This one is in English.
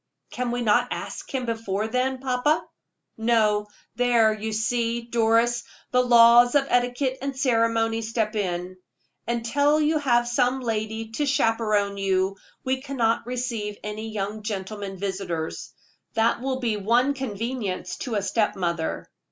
"Can we not ask him before then, papa?" "No; there, you see, Doris, the laws of etiquette and ceremony step in. Until you have some lady to chaperone you, we cannot receive any young gentlemen visitors. That will be one convenience of a step mother."